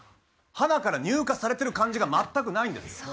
はなから入荷されてる感じが全くないんです。